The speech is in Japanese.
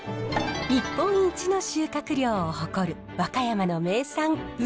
日本一の収穫量を誇る和歌山の名産ウメ。